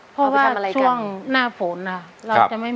คุณยายแดงคะทำไมต้องซื้อลำโพงและเครื่องเสียง